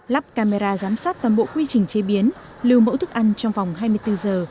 lắp camera giám sát toàn bộ quy trình chế biến lưu mẫu thức ăn trong vòng hai mươi bốn giờ